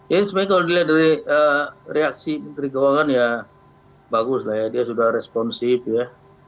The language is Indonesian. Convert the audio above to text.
ya sebenarnya kalau dilihat dari reaksi menteri keuangan ya bagus lah ya dia sudah responsif ya